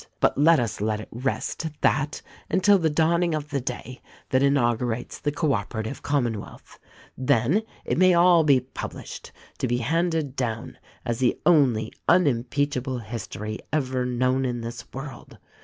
But let us let it rest at that until the dawning of the day that inaugurates the Co Operative Com monwealth. Then it may all be published, to be handed down as the only unimpeachable history ever known in this world.